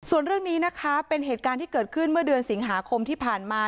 ส่วนเรื่องนี้นะคะเป็นเหตุการณ์ที่เกิดขึ้นเมื่อเดือนสิงหาคมที่ผ่านมา